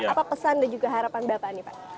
apa pesan dan juga harapan bapak nih pak